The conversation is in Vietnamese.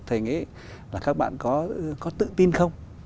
thầy nghĩ là các bạn có tự tin không